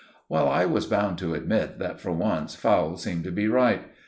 Well, I was bound to admit that for once Fowle seemed to be right.